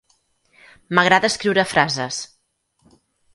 M'agrada escriure frases.